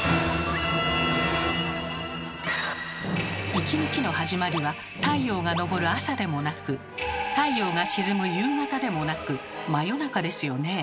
１日の始まりは太陽が昇る朝でもなく太陽が沈む夕方でもなく真夜中ですよね。